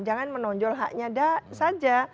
jangan menonjol haknya saja